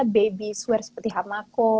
baby swear seperti hamako